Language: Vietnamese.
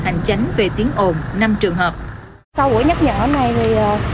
hành chánh về tiếng ồn năm trường hợp sau buổi nhắc nhở này thì